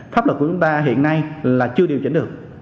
pháp luật của chúng ta hiện nay là chưa điều chỉnh được